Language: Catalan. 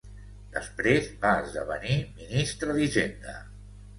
Després va esdevenir ministre d'Hisenda.